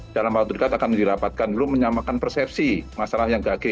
dalam waktu dekat akan dirapatkan dulu menyamakan persepsi masalah yang gage